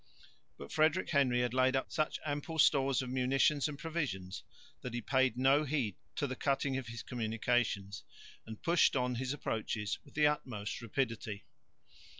But Frederick Henry had laid up such ample stores of munitions and provisions that he paid no heed to the cutting of his communications, and pushed on his approaches with the utmost rapidity.